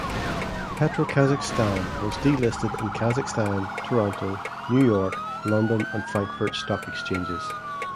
PetroKazakhstan was delisted in Kazakhstan, Toronto, New York, London and Frankfurt Stock Exchanges.